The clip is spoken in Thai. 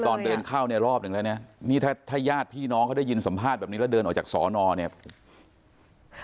ตอนเดินเข้าเนี่ยรอบหนึ่งแล้วเนี่ยนี่ถ้าถ้าญาติพี่น้องเขาได้ยินสัมภาษณ์แบบนี้แล้วเดินออกจากสอนอเนี่ย